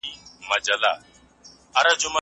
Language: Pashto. په دغه کوڅې کي یو ډېر سپین ږیری اوسي.